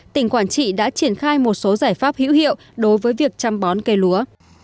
tỉnh quảng trị đã triển khai một số giải pháp hữu hiệu đối với việc chăm bón cây lúa